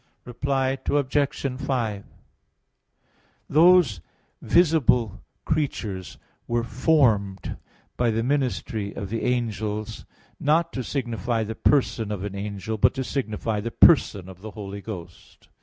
Reply Obj. 5: Those visible creatures were formed by the ministry of the angels, not to signify the person of an angel, but to signify the Person of the Holy Ghost.